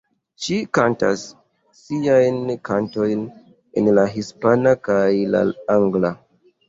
Ŝi kantas siajn kantojn en la hispana kaj la angla.